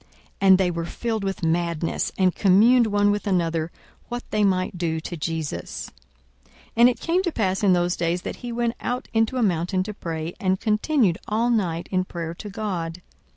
42:006:011 And they were filled with madness; and communed one with another what they might do to Jesus. 42:006:012 And it came to pass in those days, that he went out into a mountain to pray, and continued all night in prayer to God.